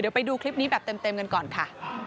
เดี๋ยวไปดูคลิปนี้แบบเต็มกันก่อนค่ะ